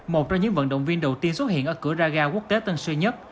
một trong những vận động viên đầu tiên xuất hiện ở cửa raga quốc tế tân sơn nhất